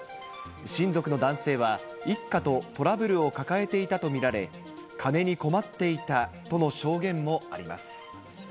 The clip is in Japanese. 親族の男性は、一家とトラブルを抱えていたと見られ、金に困っていたとの証言もあります。